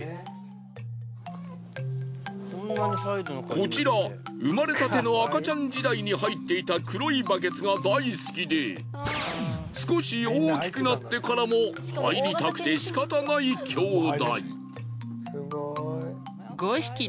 こちら生まれたての赤ちゃん時代に入っていた黒いバケツが大好きで少し大きくなってからも入りたくてしかたない兄弟。